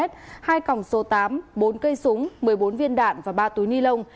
tám bốn cây súng một mươi bốn viên đạn và ba túi ni lông